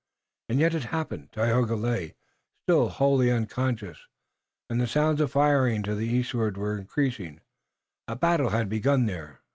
And yet it had happened. Tayoga lay, still wholly unconscious, and the sounds of firing to the eastward were increasing. A battle had begun there.